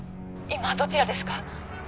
今どちらですか？